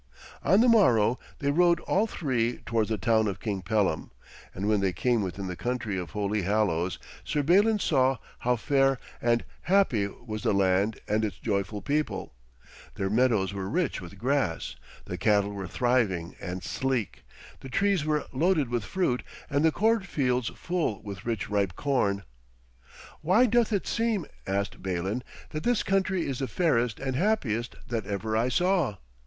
On the morrow they rode all three towards the town of King Pellam, and when they came within the country of Holy Hallows, Sir Balin saw how fair and happy was the land and its joyful people. Their meadows were rich with grass, the cattle were thriving and sleek, the trees were loaded with fruit and the cornfields full with rich ripe corn. 'Why doth it seem,' asked Balin, 'that this country is the fairest and happiest that ever I saw?'